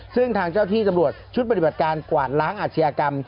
ซึ่งทางเจ้าที่ตำรวจชุดปฏิบัติการกวาดล้างอาชญากรรม